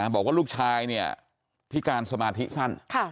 บอกว่าลูกชายเนี่ยพิการสมาธิสั้น